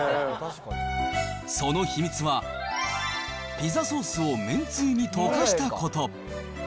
その秘密は、ピザソースをめんつゆに溶かしたこと。